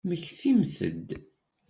Mmektimt-d!